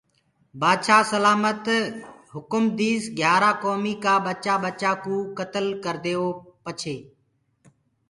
بآدشآه سلآمت هُڪم ديسي گھِيآرآ ڪوميٚ ڪآ ٻچآ ٻچآ ڪو ڪتل ڪرديئو پڇي